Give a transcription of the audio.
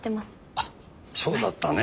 あっそうだったね。